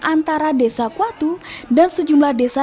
antara desa kuatu dan sejumlah desa